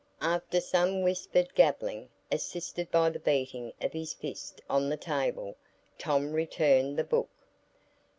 After some whispered gabbling, assisted by the beating of his fist on the table, Tom returned the book.